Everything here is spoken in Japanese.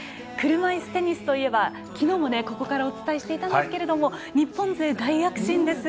車いすテニスといえば、昨日もここからお伝えしていたんですが日本勢、大躍進です。